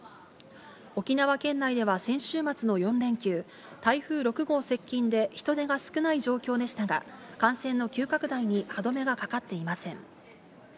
沖縄県内では先週末の４連休、台風６号接近で人出が少ない状況でしたが、感染の急拡大に歯止めがかかっていません。